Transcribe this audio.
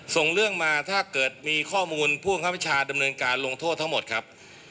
ส่งเรื่องมาถ้าเกิดมีข้อมูลผู้บังคับวิชาดำเนินการลงโทษทั้งหมดครับ